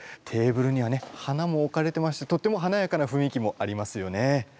テーブルにはね花も置かれてましてとってもはなやかな雰囲気もありますよね。